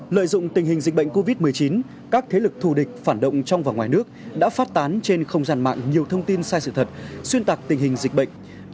lợi dụng tình hình dịch bệnh covid một mươi chín các thế lực thù địch phản động trong và ngoài nước đã phát tán trên không gian mạng nhiều thông tin sai sự thật xuyên tạc tình hình dịch bệnh